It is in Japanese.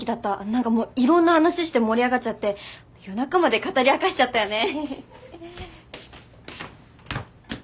何かもういろんな話して盛り上がっちゃって夜中まで語り明かしちゃったよね。